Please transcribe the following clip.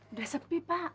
udah sepi pak